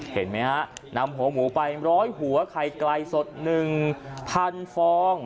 เห็นมั้ยฮะนำหบู๋ไปร้อยหัวขายไกลสดหนึ่งพันฟอง